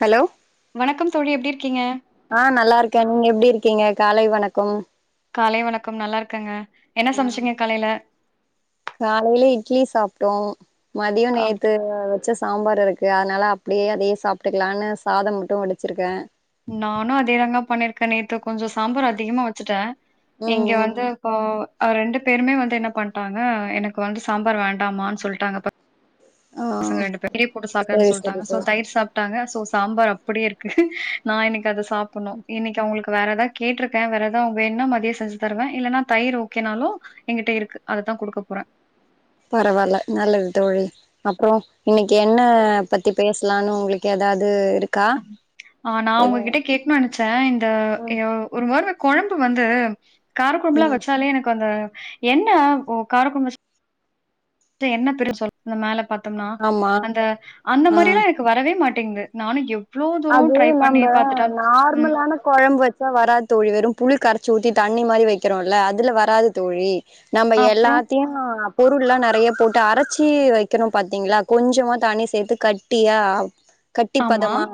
Hello வணக்கம் தோழி எப்டி இருக்கீங்க? ஆ நல்லா இருக்க நீங்க எப்படி இருக் கீங்க காலை வணக்கம் காலை வணக்கம் நல்லா இருக்கங்க என்ன ஆ சமச்சீங்க காலைல காலையில இட்லி சாப்ட்டோம் மதியோ அப்டி நேத்து வச்ச சாம்பார் இருக் யா அனால அப்படியே அதையே சாப்ட்டுக்கலான்னு சாதம் மட்டும் வடிச்சிருக்க நானும் அதேதாங்க பண்ணிருக்க நேத்து கொஞ்சோ சாம்பார் அதிகமா வச்சுட்ட ம் இங்க ம் வந்து போ ரெண்டு பேருமே வந்து என்ன பண்ட்டாங்க எனக்கு வந்து சாம்பார் வேண்டாமான்னு சொல்ட்டாங்க அப்ப ஆ பசங்க ரெண்டு பேரும் தயிர் போட்டு சாப்ட சரி சரி சொல்ட்டாங்க சோ தோ தயிர் சாப் டாங்க சோ சாம்பார் அப்படியே இருக்கு நா இன்னைக்கு அத சாப்பனும் இன்னைக்கு அவங்களுக்கு வேறதா கேட்ருக்க வேற ஏதும் வேனா மதியம் செஞ்சு தருவ இல்லலைன்னா தயிர் ஓகேனாலும் எங்கிட்ட இருக்கு அது தா குடுக்க போற பரவால்ல நல்லது தோழி அப்ரோ இன்னைக்கு என்ன பத்தி பேசலானு உங்களுக்கு தாது இருக் ஆ நா உங்ககிட்ட கேக்கணு நனச்ச இந்த ம் அ ஒரு முற குழம்பு வந்து காரக் குழம்புலா ம் வெச்சாலே எனக்கு அந்த எண்ண காரக்குழம்பு வெச் எண்ண பிரிஞ்சி மேல பாத்தோம்னா ஆமா அந்த அந்த ஆ மாதிரில்லா எனக்கு வரவே மாட் டெங்குது நானு கேவ். அது நம்ப ம். நார்மலான குழம்பு வச்சா வராத்தொழி வரும் புளி கர சூ ஊத்தி தண்ணி மாரி வைக்கிறோல அதுல வராது தோழி, நம்ம அப்புறம் எல்லாத்தையு பொருல்லா நறைய போட்டு அரச்சி வைக்குரோம் பா்த்தீங்ளா கொஞ்சமா தண்ணி சேத்து கட்டியா கட்டி ஆமா. பதமா,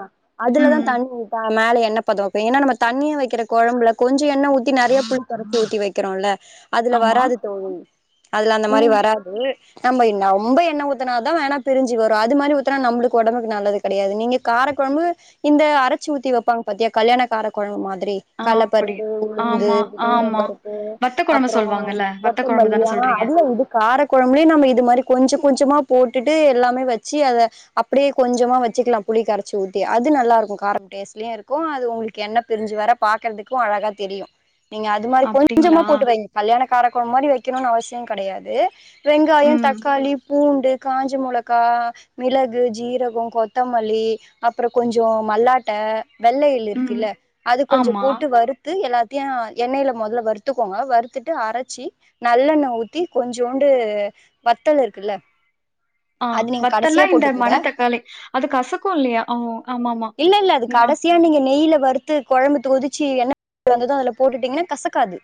அதுலதா ம். தண்ணி உத்தா மேல எண்ண பதொ ஏன்னா நம்ம தண்ணி வைக்குற குழம்புல கொஞ்சோ எண்ண ஊத்தி நரய புளி கரச்சி ஊத்தி வெக்கிரோல அதுல ஆமா. வராது தோழி, அதுல அந்த ஓ! மாரி வராது. நம்ம என்ன ரொம்பண்ண ஊத்துனாதா வேணா பிரிஞ்சு வரூ அது மாரி ஊத்துனா நம்லுகு ஓடம்புகு நல்லது கிடையாது நீங்க கார குொழம்பு இந்த அரச்சு ஊத்தி வெப்பாங்க பத்தியா கல்யாணக் காரக்குழம்பு மாரி திரி ஆ கள்ள அப்படி. பருப்பு, உளுந்து ஆமா, தோவரம் ஆமா. பருப்பு, வத்த குழம்பு அப்புரோ சொல்வாங்கல்ல. வத்த குழம்பு தான கொத்தம்மல்லியா ஆ சொல்றீங்க? அதுல இது கார குழம்புலயே நம்ம இது மாரி கொஞ்சோ கொஞ்சமா போட்டுட்டு எல்லாமே வச்சு அத அப்படியே கொஞ்சமா வச்சுக்லா புளி கரச்சு ஊத். தே அது நல்லாருக்கு காரோ டேஸ்ட்லய இருக்கு அது உங்ளுக்கு எண்ண பிரிஞ்சு வர பாக்குறதுக்கு அழகா தெரியு. நீங்க அது மாரி கொஞ்சமா அப்டிங்களா? போட்டு வைங்க கல்யாண காரக்குலம் மாரி வைக்கணுனு அவசிய கெடையாது. வெங்காயோ ம். தக்காளி பூண்டு காஞ்ச முளகாய் மிளகு ஜீரகோ கொத்தமல்லி அப்ரோ கொஞ்சோ மல்லாட்ட வெள்ள எள்ளு ம். இருக்குல்ல அது கொஞ்சோ ஆமா. போட்டு வறுத்து எல்லா தியா எண்ணெயில முதல வறுத்துக்கோங்க வறுத்துட்டு அரச்சி நல்லெண்ண ஊத்தி கொஞ்சோண்டு வத்தல் இருக்குல்ல ஆ அது நீங்க வத்தெல்லா கடைசியா இந்த போட்டுக்குங்க மன தக்காளி அது கசக்கு இல்லியா இல்ல இல்ல அது கடைசியா நீங்க நெய்ல வறுத்து குழம்புத்தொதுச்சு என்ன வந்ததும் அதுல போட்டுட்டீங்னா கசக்காது.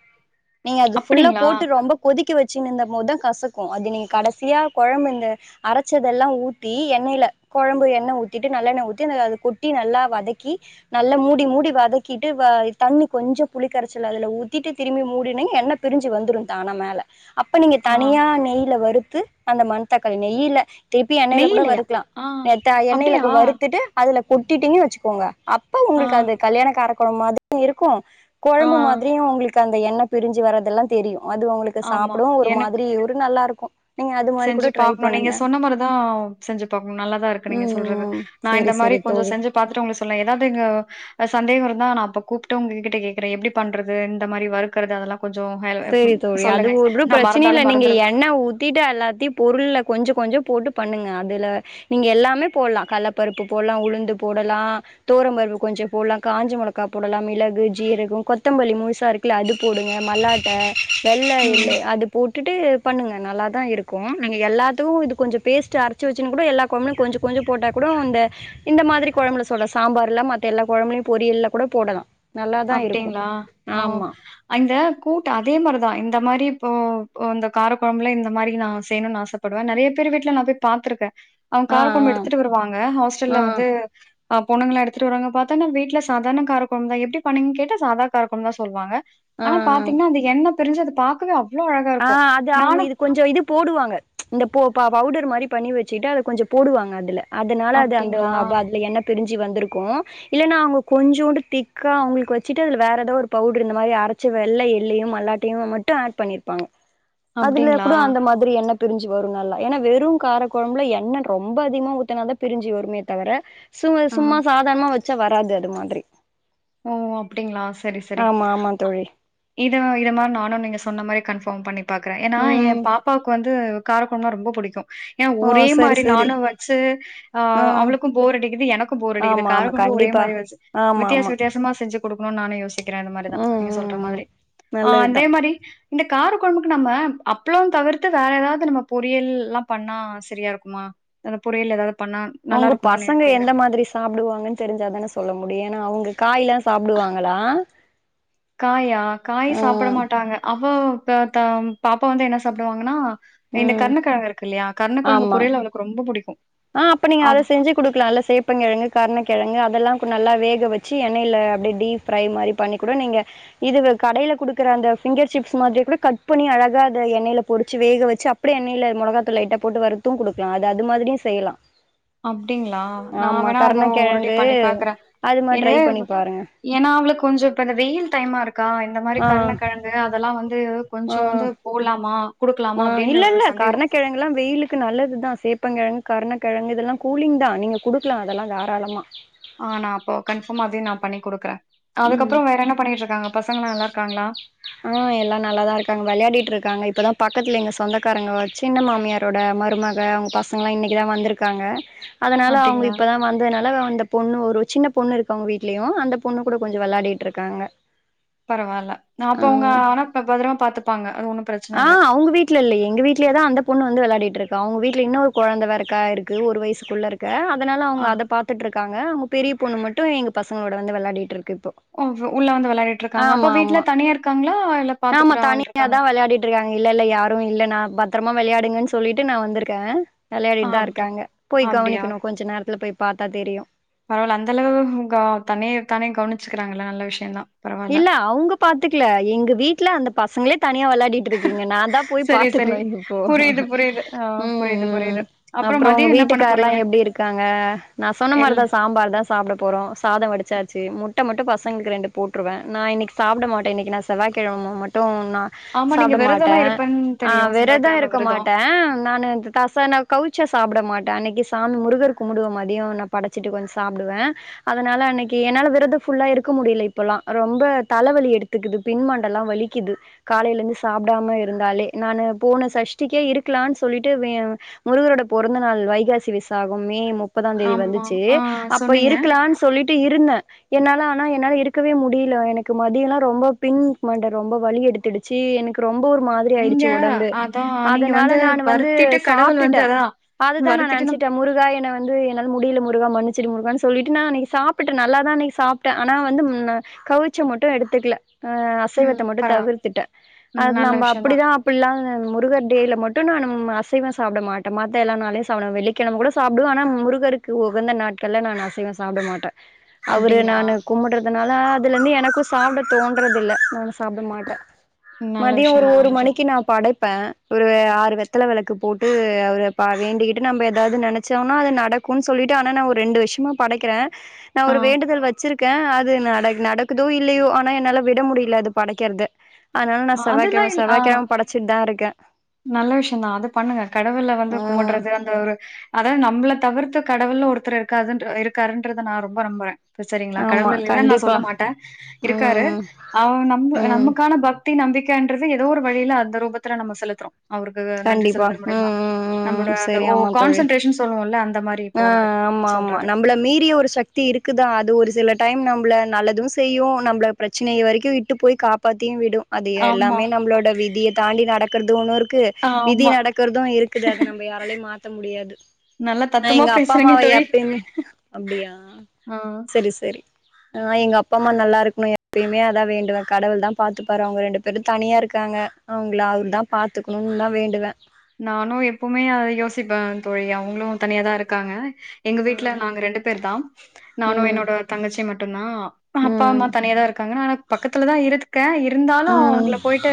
நீங்க அது ஃபுல்லா அப்படிங்களா? போட்டு ரொம்ப கொதிக்க வ ச்ச நந்த மொத கசக்கு அது நீ கடசியா கொழம்பு இந்த அரச்சதெல்லா ஊத்தி எண்ணைல கொழம்பு எண்ண ஊத்தி டு நல்லெண்ண ஊத்தி [unintelligible] கொட்டி நல்லா வதக்கி நல்லா மூடி மூடி வதக்கிட்டு [unintelligible] தண்ணி கொஞ்சோ புலி கரச்சல அதுல ஊத்திட்டு திரும்பி முடினிங்க எண்ண பிரிஞ்சு வந்துரூ தானா மேல அப்ப நீங்க ஆ தனியா நெய்ல வறுத்து அந்த மண்தக்காளிய நெய்யில திப்பி எண்ணெயில கூட நெய்லயா? வருக்லா ஆ [unintelligible] எண்ணெய்ல அப்படியா? வருத்துட்டு அதுல கொட்டிட்டீங்க வச்சுக்கோங்க அப்ப ஆ உங்ளுக்கு அந்த கல்யாணக்காரத் கொழம்பு மாதிரி இருக்கு ஆ கொழம்பு மாதிரியு உங்களுக்கு அந்த எண்ண பிரிஞ்சு வரதெல்லா தெரியு அது உங்களுக்கு ஆமா. சாப்பிடு ஒரு எனக்கு மாதிரி ஒரு நல்லா இருக்கு நீங்க அது மாரி கூட செஞ்சு ட்ரை பாக்ணு நீங்க பண்ணுங்க சொன்ன மாரிதா செஞ்சு பாக்ணு நல்லாதா இருக்கு நீங்க ம் சொல்றது ம் நா இந்த சரி மாரி சரி கொஞ்ச தோழி செஞ்சு பாத்துட்டு உங்களுக்கு சொல்லே ஏதாவது இங்க சந்தேக இருந்தா நா அப்ப கூப்ட்டு உங்ககிட்ட கேக்குறே எப்டி பண்றது இந்த மாரி வருக்குறது அதெல்லா சேரி தோழி அது ஒரு பிரச்சனல்ல மறந்தாலும் நீங்க மறந்துருவேன். எண்ணெ ஊத்திட்டு எல்லாத்தையு பொருள்ள கொஞ்ச கொஞ்ச போட்டு பண்ணுங்க அதுல நீங்க எல்லாமே போடலா கள்ளப்பருப்பு போடலா உளுந்து போடலா இப்பல்லா தோரம்பரு கொஞ்ச போடலா காஞ்ச மிளகா போடலா மிளகு ஜீரக கொத்தமல்லி முழுசா இருக்குல்ல அது போடுங்க மல்லாட்ட வெள்ள ம். எள்ளு அது போட்டுட்டு பண்ணுங்க நல்லா தா இருக்கு நீங்க எல்லாத்துக்கு இது கொஞ்ச பேஸ்ட் அரச்சு வச்சுனு கூட எல்லா கொழம்ல கொஞ்ச கொஞ்ச போட்டா கூட அப்ற இந்த இந்த மாரி கொழம்புல சொல்றே சாம்பார்ல மத்த எல்லா கொழம்புலையு பொரியல்ல கூட போடலா நல்லாதா இருக்கு அப்டிங்ளா ஓ ஆமா அந்த கூ அதே மாரிதா இந்த மாதிரி இப்போ இந்த காரக்கொழம்புல இந்த மாரி நா செய்ணுனு ஆசைப்படுவே நெறைய பேர் விட்டு ட்ல நா போய் பாத்திருக்கே அவுங்க ஆ கார கொழம்பு எடுத்துட்டு வருவாங்க ஆ ஹாஸ்டல்ல ஆ வந்து ஆ பொண்ணுங்கல்லா எடுத்துட்டுவருவாங்க பாத்தான்ன வீட்ல சாதாரண கார கொழம்ந்தான் எப்படி பண்ணீங்க கேட்டா சாதா கார கொழம்புதா சொல்லுவாங்க ஆ ஆனா பாத்தீங்னா அது என்ன பிரிஞ்சு அது பாக்கவே அவ்ளோ அழகா ஆ இருக்கும் அது அவுங்க நானும் இது கொஞ்ச இது போடுவாங்க இந்த போ ப பவுட மாரி பண்ணி வச்சுட்டு அது கொஞ்ச போடுவாங்க அதுல அதனால அது அந்த அப்டிங்களா அதுல என்ன பிரிஞ்சு வந்திருக்கு இல்லன்னா அவுங்க கொஞ்சோண்டு திக்கா அவுங்களுக்கு வச்சுட்டு அது வேற ஏதாவ ஒரு பவுடர் இந்த மாரி அரச்ச வெள்ள எல்லையு மல்லாட்டையு மட்டு ஆட் பண்ணிருப்பாங்க அதுல அப்டிங்களா கூட அந்த மாரி என்ன பிரிஞ்சு வரு நல்லா ஏனா வெறு காரக்கொழம்புல எண்ணெ ரொம்ப அதிகமா ஊத்தனாதா பிரிஞ்சு வருமே தவர சும் ஆ சும்மா சாதாரமா வச்சா வராது அது மாதிரி ஓ அப்டிங்ளா சேரி சேரி ஆமா ஆமா தோழி இத இத மாரி நானு நீங்க சொன்ன மாரி க போம் பண்ணி பாக்குறே ஏன்னா என் ம் பாப்பாவுக்கு வந்து காரக்கொழம்புனா ரொம்ப புடிக்கு ஏனா ஓ ஒரே சரி மாரி சரி நானு வச்சு ஆஹ் ஆ அவளுக்கு போர் அடிக்கிது எனக்கு போர் அடிக்கிது ஆமா கார ஆமா கொழம் பு ஒரே கண்டிப்பா மாரி வச்சு ஆமா வித்தியாச ஆமா வித் செஞ்சு கொடுக்கணுனு நானு இந்த மாரிதா ம் நீங்க சொல்ற ம் ம் மாதிரி ஆஹ் நல்லதுதா அதே மாரி இந்த கார கொழம்புக்கு நம்ம அப்ளோ தவிர்த்து வேற ஏதாவது நம்ம பொறியல் எல்லா பண்ணா சரியா இருக்குமா வேற பொரியல் ஏதாவது பண்ணா நல்லா ஒங்க இருக்குமான்னு பசங்க கேக்குறேன். எந்த மாரி சாப்டுவாங்கன்னு தெரிஞ்சாதானே சொல்ல முடியு ஏனா அவுங்க காயெல்லா சாப்டுவாங்களா காயா காய் சாப்ட ம் மாட்டாங்க அவ [unintelligible] பாப்பா வந்து என்ன சாப்டுவாங்க நா சாப்பிடுவாங்கன்னா இந்த ம் கருணக்கெழங்கு இருக்குல்லையா கருணக்கெழங்கு ஆமா பொரியல் அவளுக்கு ரொம்ப புடிக்கு ஆ அப்ப நீங்க அத செஞ்சு குடுக்கலால்ல சேப்பன் கெழங்கு கருணக்கெழங்கு அதெல்லா பு நல்லா வேக வச்சு எண்ணெய்ல அப்டியே டீப் ப்ரை மாரி பண்ணிக்கட நீங்க இது கடைல குடுக்குற அந்த ஃபிங்கர் சிப்ஸ் மாதிரி கூட கட் பண்ணி அழகா அத எண்ணைய்ல பொரிச்சு வேக வச்சு அப்டியே எண்ணெயில மொளகா தூள் லைட்டா போட்டு வறுத் து குடுக்லா அது அது மாதிரியு செய்யலா அப்டிங்ளா நா ஆமா வேணா அத ஒருட்டி கருணக்கெழங்கு பண்ணி பாக்குற அது மாரி என ட்ரை பண்ணி பாருங்க ஏனா அவளுக் கொஞ்சோ இப்ப இந்த வெயில் டைமா இருக்கா இந்த மாரி ஆ கருணக்கெழங்கு அதெல்லா வந்து ஆ கொஞ்சோ வந்து போலாமா ஆ இல்ல இல்ல கருணக்கெழங்குல்லா வெயிலுக்கு நல்லதுதா சேப்பங் கெழங்கு கர்ண கெழங்கு இதெல்லா கூலிங் தா நீங்க குடுக்லா அதெல்லா தாராளமா ஆ நா அப்போ கன்ஃபாம்மா அதையு நா பண்ணி குடுக்குற ம் அதுக்கப்றோ வேற என்ன பண்ணிட்டு இருக்காங்க பசங்கலா நல்லா இருக்காங்களா ஆ எல்லா நல்லாதா இருக்காங்க வெளையாடிட்டு இருக்காங்க இப்பதா பக்கத்துல எங்க சொந்தக்காரங்க சின்ன மாமியாரோட மருமக அவங்க பசங்கலா இன்னைக்கு தா வந்துருக்காங்க அதனால அவங்க அப்டிங்களா? இப்பதா வந்ததுனால அந்த பொண்ணு ஒரு சின்ன பொண்ணு இருக்கு அவங்க வீட்லயு அந்த பொண்ணு கூட கொஞ்சோ வெளாடிட்டு இருக்காங்க பரவால்ல ஆ, அப்ப அவங்க ஆனா ப பத்திரமா பாத்துப்பாங்க. அது ஒண்ணும் பிரச்சன இல்ல. அவங்க வீட்ல இல்ல எங்க வீட்லயேதா அந்த பொண்ணு வந்து வெளையாடிட்டு இருக் கா அவங்க வீட்ல இன்னோரு கொழந்தை வேறக்கா இருக்கு ஒரு வயசுக்குள்ள இருக்க அதனால அவங்க ஆ. அத பாத்துட்டு இருக் காங்க அவங்க பெரிய பொண்ணு மட்டு எங்க பசங்களோட வந்து வெளையாடிட்டு இருப் ம் உள்ள வந்து வெளையாடிட்டு இருக்காங்க அப்ப வீட்ல ஆமா தனியா இருக் ஆமா தனியாதா வெளையாடிட்டு இருக்காங்க இல்ல இல்ல யாரு இல்ல நா பத்த ரமா வெளையாடுங்கன்னு சொல்லிட்டு நா வந்திருக்கே ஆ வெளையாடிட்டுதா அப்டி இருக்காங்க போய் அப்டியா? கவனிக்கணு கொஞ்ச நேரத்துல போய் பாத்தா தெரியு பரவால்ல அந்த அளவு க தன்னைத்தானே கவனிச்சுக்கிறாங்கல்ல நல்ல விஷயத்தா இல்ல அவங்க பாத்துக்கல எங்க வீட்ல அந்த பசங்களே தனியா வெளையாடிட்டு இருக்குங்க நான்தா போய் சரி, சரி. பாத்துக்கணு இப்போ, புரியுது, புரியுது. ஆ ம், புரியுது, ம் புரியுது. அப்புறம் அப்பறோ உங்க மதியம் என்ன பண்ண வீட்டுக்கார்லா போறீங்க? எப்டி இருக்காங்க நா சொன்ன எல் மாரிதா சாம்பார்தா சாப்ட போறோ சாதம் வடிச்சா ச்சி முட்டை மட்டு பசங்களுக்கு ரெண்டு போட்டுருவே நா இன்னைக்கு சாப்பிட மாட்டே இன்னைக்கு நா செவ்வாய்க்கெழம மட்டு நா ஆமா நீங்க சாப்ட மாட்டே விரதம்லாம் இருப்பேன்னு அ தெரியும். விரதம் செவ்வாய்க்கிழமை இருக்க விரதம். மாட்டே நானு இந்த த ச கவுச் ச சாப்ட மாட் ட அன்னைக்கு சாமி முருகர் கும்புடுவ மதியம் நா படைச்சிட்டு கொஞ்ச சாப்டுவே அதனால அன்னைக்கு என்னால விரத ஃபுல்லா இருக்க முடியல இப் பல்லா ரொம்ப தலைவலி எடுத்துக்குது பின் மண்டலா வலிக்குது காலையில இருந்து சாப்டாம இருந்தாலே நானு போன சஷ்டிக்கே இருக்கலானு சொல்லிட்டு வெ முருகரோட பொறந்த நாள் வைகாசி விசாகம் மே முப் பதாந்தேதி ஆமா. வந்துச்சு ஆ அப்ப சொன்னீங்க. இருக்கலானு சொல்லிட்டு இருந்த என்னால ஆனா என்னால இருக் கவே முடியல எனக்கு மதியம்லா ரொம்ப பின் மண்ட ரொம்ப வலி எடுத்துடுச்சு எனக்கு ரொ ம்ப ஒரு மாதிரி நீங்க ஆயிடுச்சு ஒடம்பு அதான் நீங்க அதனால வந்து நானு வந்து வருத்திட்டு கடவுள் வந்து சாப்ட்டுட்டே அதான் அதுதா நா வருத்திட்டுனா நெனைச்சுட்டே முருகா என்ன வந்து என்னால முடியல முருகா மன்னி ச்சிடு முருகானு சொல்லிட்டு நா அன்னைக்கு சாப்ட்டுட்ட நல்லாதா அன்னைக்கு சாப்ட்டே ஆனா வந்து ல்ல கவிச்ச மட்டு எடுத்துக்ல அ ம் அசைவத்த மட்டு பரவால்ல. தவிர்த்துட்ட ம் அது நல்ல நம்ம விஷயம் தான். அப்படிதா அப்பல்லா முருகர் டேல மட் டு நா நம் அசைவோ சாப்ட மாட்ட மத்த எல்லா நாளையு சாப்டுவ வெள்ளிக்கெழம கூட சாப்டுவ ஆனா முருகருக்கு உகந்த நாள் கள்ல்ல நான் அசைவோ சாப்ட மாட்ட அவரு அப்டிங்களா? நானு கும்பிடுற அதனால அதுல இந்து எனக்கு சாப்ட தோன்றதுல்ல அதனால சாப்ட மாட்ட நல்ல மதியோ விஷயம் ஒரு தான் ஒரு நல்ல விஷயம். மணிக்கு நா படைப் ப ஒரு ஆறு வெத்தல வெளக்கு போட்டு அவ வேண்டிக்கிட்டு நம்ம ஏதாது நெனச்சோன்னா அது நட க்குன் சொல்லிட்டு ஆனா நா ஒரு ரெண்டு வர்ஷமா படைக்கிற நா ஒரு ஆ. வேண்டுதல் வச்சிருக்க அ து நட நடக்குதோ இல்லையோ ஆனா என்னால விட முடில அது படைக்கற்த அதனால நா அ அதெல்லாம் செவ்வாகெழம இல் ஆ செவ்வாக்கெழம படச்சிட் தா இருக்க நல்ல விஷயொதா அது பண்ணுங்க கடவுள வந்து ம் கமுட்றது அந்த ஒரு அதா நம்மள தவிர்த்து கடவுள்னு ஒருத்தர் இருக்காதுன்ற இருக்காருன்றத நா ரொம்ப நம்புறே சரிங்களா ஆமா கடவுளள் இல்லன் நா கண்டிப்பா சொல்ல மாட்டே இருக்காரு ம் அவ நம்ப் ம் நமக்கான பக் தி நம்பிக்கன்றது ஏதோ ஒரு வழியில அந்த ரூபத்துல நம்ம செலுத்துறோ அவருக்கு நன்றி கண்டிப்பா செலுத்தல் ம் முடியுமா ம் நம்மளோட ம் அந்த சரி ஓ ஆமா தோழி கான்சென்ட்ரேஷன் சொல்லுவோல்ல அந்த மாரி ஆ போறது ஆமா ஆமா சொல்றது. நம்பள மீறிய ஒரு சக்தி இருக்குதா அது ஒரு சில டைம் நம் ப்ள நல்லது செய்யு நம்ப்ள பிரச்சனைய வரைக்கு விட்டு போய் காப்பாத்தியு விடு அது ஆமா, எல்லாமே நம்ளோட விதிய தாண்டி நடக்குறது ஒன்னுருக்கு விதி ஆமா. நடக்கறது இருக்குது அத நம்ப யாராலயு மாத்த முடியாது நல்லா நா தத்துவமா எங்க அப்பா பேசுறீங்க அம்மாவ தோழி. எப்பயுமே அப்டியா ஆ. சரி சரி ஆ எங்க அப்பா அம்மா நல்லா இருக்கணு எப்பயுமே அதா வேண்டுவே கடவுள் தா பாத்து பாரு அவங்க ரெண்டு பேரு தனியா இருக்கா ங்க அவங்கள அவர் தா பாத்துக்குணு தா வேண்டுவே நானு எப்பவுமே அத யோசிப்பே தோழி அவங்களு தனியா தா இருக்காங்க எங்க வீட்டுல ம் நாங்க ரெண்டு பேர்தா நானு ம் என்னோட தங்கச்சி மட்டு தா அப்பா அம்மா ம் தனியா தா இருக்காங்க நானு பக்கத்துல தா இருதுக்கே இ ருந்தாலு ம் அவங்கள போயிட்டு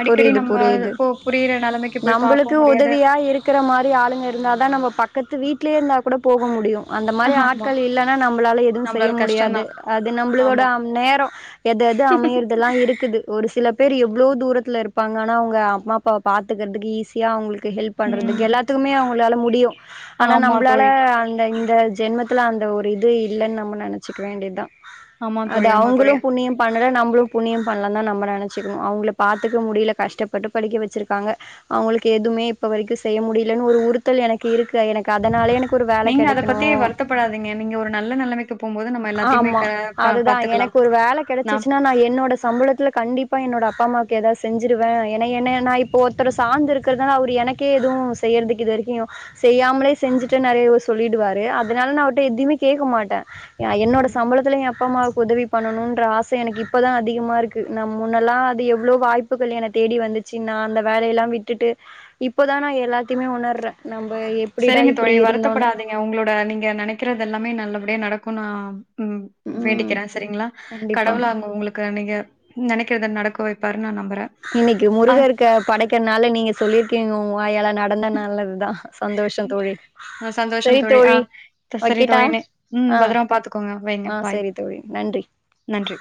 அடிக்கடி புரியுது நம்ம புரியுது இப்போ புரியிற நெலமைக்கு போய் பாக்கவு நம்பளுக்கு முடியாது உதவியா இருக்குற மாரி ஆளுங்க இருந்தா தா நம்ம பக்கத்து வீட்லயே இருந்தா கூட போக முடியு அந்த மாரி ஆமா ஆட்கள் இல்லன்னா நம்ளால எதுவு செய்ய நம்மளால கஷ்டந்தா முடியாது அது நம்ளோட ஆமா நேரொ எது எது அமையறதெல்லா இருக் ஒரு சில பேர் எவ்ளோ தூரத்துல இருப்பாங்க ஆனா அவங்க அம்மா அப்பாவ பாத்துக்குறதுக்கு ஈஸியா அவங்களுக் கு ஹெல்ப் பண்றதுக்கு ம் எல்லாத்துக்குமே அவங்களால முடியு ஆனா ஆமா நம்ளால தோழி அந்த இந்த ஜென்மத் துல அந்த ஒரு இது இல்லன்னு நம்ம நெனச்சுக்க வேண்டியதா ஆமா அது தோழி ஆமா அவங்களு தோழி புண்ணியொ பா னால நம்ப்ளு புன்னியு பண்லனா நம்ம நெனச்சுக்ணு அவங்க பாத்துக்க முடியில கஷ்டப்பட்டு படிக்க வெச்சிருக்காங்க அவங்களுக்கு எதுவுமே இப்ப வரைக்கு செய்ய முடியலேன்னு ஒரு உறுத்தல் எனக்கு இருக்கு எனக்கு அதனாலே எனக்கு ஒரு வேல நீங்க அத பத்தி கெடைக்கணு வருத்தப்படாதீங்க நீங்க ஒரு நல்ல நெலமைக்கு போம்போது நம் ஆமா அதுதா எனக்கு ஒரு வேல கெடச்சிச்சுன்னா நா என்னோட சம்பளத்துல கண்டி ப்பா என்னோட அப்பா அம்மாவுக்கு ஏத செஞ்சிருவே ஏனா என்ன நா இப்போ ஒருத்தர சார்ந்து இருக்குறதுனால அவரு எனக்கே ஏதுவு செய்யறதுக்கு இது வரைக்கு செய்யாமலே செஞ்சுட்டு நெறைய சொல்லிடுவாரு அதுனால நா அவர்ட்ட எதுையுமே கேக்க மாட்டே ஏ என்னோட ம் சம்பளத்துல எ அப்ப அம்மாவு கு உதவி பண்ணணுன்ற ஆச எனக்கு இப்பதா அதிகமா இருக்கு நம் முன்னல்லா அது எவ்ளோ வாய்ப்புகள் என தேடி வந் துச்சு நா அந்த வேலையெல்லா விட்டுட்டு இப்பதா நா எல்லாத்தையுமே உணர்றே நம் செரிங்க தோழி வருத்தப்படாதீங்க உங்களோட நீங்க நெனைக்குறது எல்லாமே நல்லபடியா நடக்கு நா ம் ம் வேண்டிக்கிறே சரிங்களா கண்டிப்பா கடவுள அவங்க உங்களுக்கு நீங்க நெனைக்கிறது நடக்கு இப்ப இன்னைக்கு முருகருக்கு படைக்கறனால நீங்க சொல்லிருக்கீங்க உங்க வாயால நடந்தா நல்லதுதா சந்தோஷொ தோழி சந்தோஷம் செரி ஆ தோழி சரி வைக்கட்டா தோழி. நே- ம் ஆ பத்துரமா பாத்துக்கோங்க வைங்க ஆ பாய் சரி தோழி நன்றி நன்றி